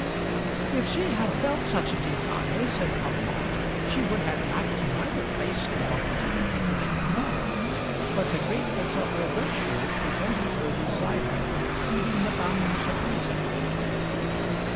"If she had felt such a desire," said Parlamente, "she would have lacked neither place nor opportunity to make it known; but the greatness of her virtue prevented her desire from exceeding the bounds of reason."